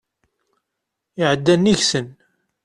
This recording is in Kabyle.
Iɛedda nnig-sen.